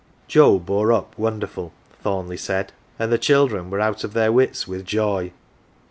Joe bore up wonderful, Thornleigh said, and the children were out of their wits with joy.